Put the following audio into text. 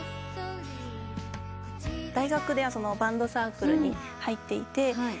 大学ではバンドサークルに入っていて。